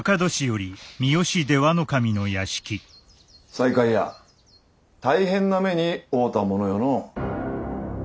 西海屋大変な目に遭うたものよの。